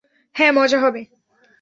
হ্যাঁ, মজা হবে।